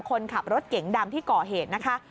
คนขับรถเก๋งดำที่ก่อเหตุนะคะ